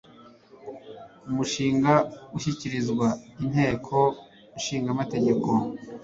umushinga ushyikirizwa inteko ishinga amategeko